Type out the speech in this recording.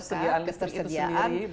ketersediaan listri itu sendiri